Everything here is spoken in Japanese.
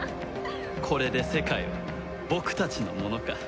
これで世界は僕たちのものか。